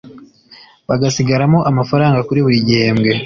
bagasigaramo amafaranga kuri buri gihembwe